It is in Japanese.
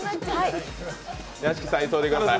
屋敷さん急いでください。